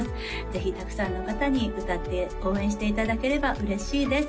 ぜひたくさんの方に歌って応援していただければ嬉しいです